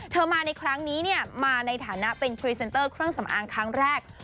มาในครั้งนี้มาในฐานะเป็นพรีเซนเตอร์เครื่องสำอางครั้งแรก